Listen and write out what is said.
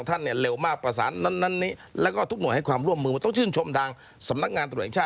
แต่นี่ถือว่าเร็วมากนะ